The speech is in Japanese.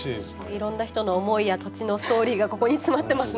いろんな人の思いや土地のストーリーがここに詰まってますね。